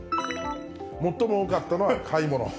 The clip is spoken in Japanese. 最も多かったのは買い物。